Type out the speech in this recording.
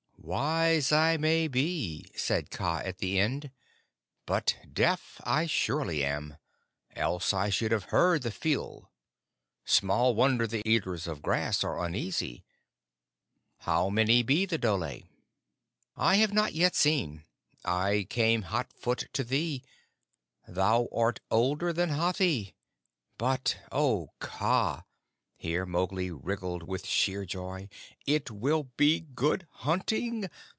"Wise I may be," said Kaa at the end; "but deaf I surely am. Else I should have heard the pheeal. Small wonder the Eaters of Grass are uneasy. How many be the dhole?" "I have not yet seen. I came hot foot to thee. Thou art older than Hathi. But oh, Kaa," here Mowgli wriggled with sheer joy, "it will be good hunting.